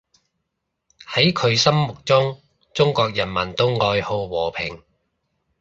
喺佢心目中，中國人民都愛好和平